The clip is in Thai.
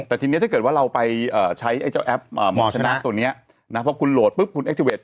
แต่ทีนี้ถ้าเกิดว่าเราไปใช้ไอ้เจ้าแอปหมอชนะตัวนี้นะพอคุณโหลดปุ๊บคุณเอ็ด